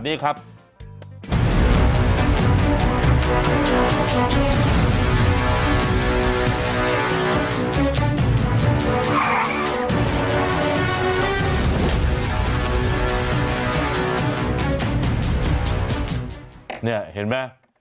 นี่เห็นมั้ย